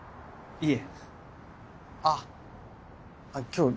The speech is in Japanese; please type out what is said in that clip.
いえ。